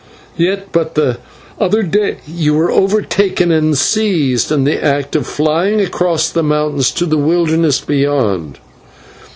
Yet but the other day you were overtaken and seized in the act of flying across the mountains to the wilderness beyond.